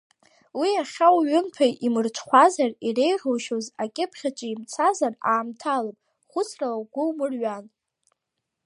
Уи иахьа уҩымҭа имырҽхәазар, иреиӷьушьоз акьыԥхь аҿы имцазар, аамҭалоуп, хәыцрала угәы умырҩан.